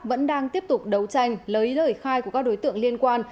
vẫn đang tiếp tục đấu tranh lấy lời khai của các đối tượng liên quan